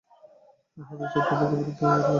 হাদীসটি অত্যন্ত গরীব পর্যায়ের।